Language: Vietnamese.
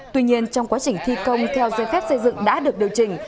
tuy nhiên trong quá trình thi công theo dây phép xây dựng đã được điều chỉnh